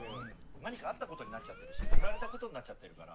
何かあったことになっちゃってるし振られたことになっちゃってるから。